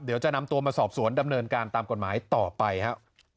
เดี๋ยวจะนำตัวมาสอบสวนดำเนินการตามกฎหมายต่อไปครับ